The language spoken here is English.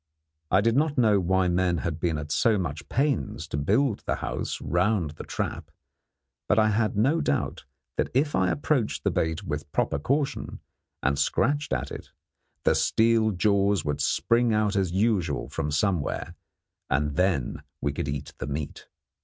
I did not know why men had been at so much pains to build the house round the trap, but I had no doubt that if I approached the bait with proper caution, and scratched at it, the steel jaws would spring out as usual from somewhere, and then we could eat the meat.